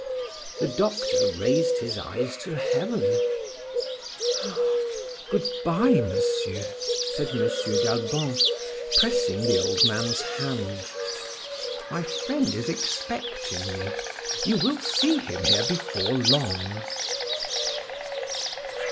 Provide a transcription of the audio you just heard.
The doctor raised his eyes to heaven. "Good bye, monsieur," said M. d'Albon, pressing the old man's hand. "My friend is expecting me; you will see him here before long."